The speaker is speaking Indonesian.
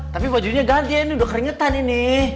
tapi bajunya ganti ini udah keringetan ini